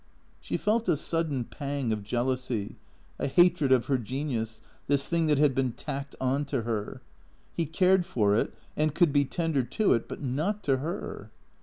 She felt a sudden pang of jealousy, a hatred of her genius, this thing that had been tacked on to her. He cared for it and could be tender to it, but not to her.